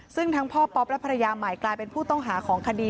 ซึ่งทั้งพ่อป๊อปและภรรยาใหม่กลายเป็นผู้ต้องหาของคดี